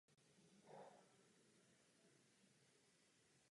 Kresba je součástí expozice Městského muzea v Železném Brodě.